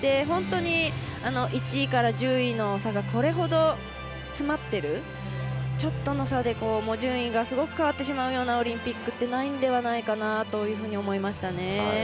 本当に１位から１０位の差がこれほど詰まっているちょっとの差で順位がすごく変わってしまうようなオリンピックってないのではないかと思いました。